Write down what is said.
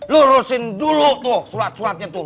lo rusin dulu tuh surat suratnya tuh